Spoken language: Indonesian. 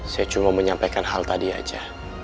saya cuma menyampaikan hal tadi aja